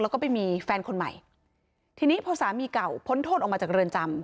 แล้วก็ไปมีแฟนคนใหม่ทีนี้พอสามีเก่าพ้นโทษออกมาจากเรือนจำ